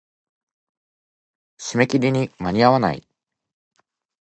締め切りに間に合わない。